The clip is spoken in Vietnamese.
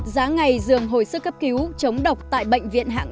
giá ngày dường hồi sức cấp cứu chống độc tại bệnh viện hạng hai